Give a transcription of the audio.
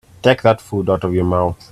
Take that food out of your mouth.